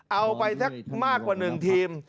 เอาไปแค่มากกว่าหนึ่งทีม